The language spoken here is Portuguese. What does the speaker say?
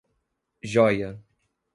Jóia